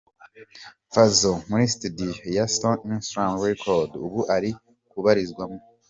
Fazzo muri studio ya Stone Island Record ubu ari kubarizwamo.